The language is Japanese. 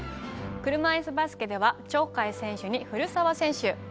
「車いすバスケ」では鳥海選手に古澤選手。